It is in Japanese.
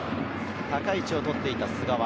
高い位置をとっていた菅原。